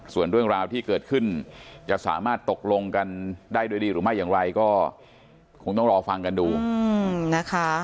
ส่วนเรื่องราวที่เกิดขึ้นจะสามารถตกลงกันได้โดยดีหรือไม่อย่างไรก็คงต้องรอฟังกันดูนะคะ